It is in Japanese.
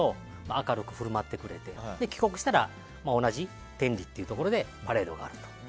明るく振る舞ってくれて帰国したら同じ天理というところでパレードがあると。